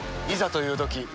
いざというとき